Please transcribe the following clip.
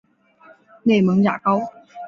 内蒙邪蒿